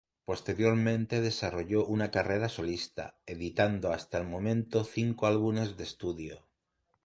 Posteriormente desarrolló una carrera solista, editando hasta el momento cinco álbumes de estudio.